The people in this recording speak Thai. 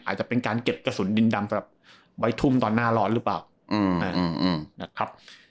อาจจะเป็นการเก็บกระสุนดินดำสำหรับไว้ทุ่มตอนหน้าร้อนหรือเปล่านะครับ